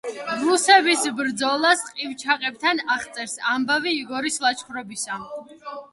რუსების ბრძოლას ყივჩაყებთან აღწერს „ამბავი იგორის ლაშქრობისა“.